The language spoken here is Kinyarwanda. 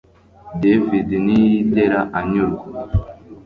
David ntiyigera anyurwa